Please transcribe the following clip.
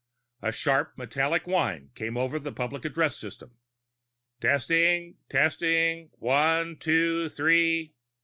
A sharp metallic whine came over the public address system. "Testing. Testing, one two three...."